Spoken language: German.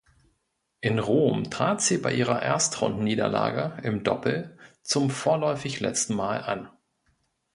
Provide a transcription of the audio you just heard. In Rom trat sie bei ihrer Erstrundenniederlage im Doppel zum vorläufig letzten Mal an.